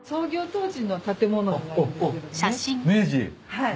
はい。